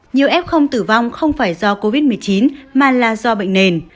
nhiều f tử vong không phải do covid một mươi chín mà là do bệnh nền